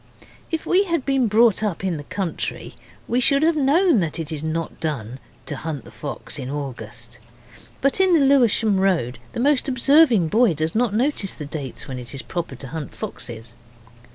If we had been brought up in the country we should have known that it is not done to hunt the fox in August. But in the Lewisham Road the most observing boy does not notice the dates when it is proper to hunt foxes.